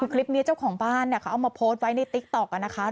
คือคลิปนี้เจ้าของบ้านเขาเอามาโพสต์ไว้ในติ๊กต๊อกนะคะ